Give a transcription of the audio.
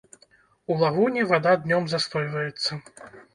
У лагуне вада днём застойваецца.